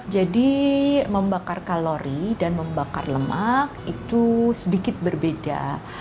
jadi membakar kalori dan membakar lemak itu sedikit berbeda